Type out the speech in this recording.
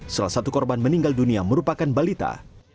salah satu korban meninggal dunia merupakan balita